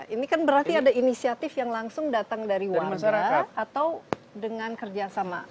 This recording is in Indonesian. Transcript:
ini kan berarti ada inisiatif yang langsung datang dari warga atau dengan kerjasama